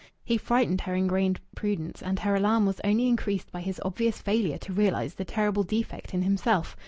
He frightened her ingrained prudence, and her alarm was only increased by his obvious failure to realize the terrible defect in himself.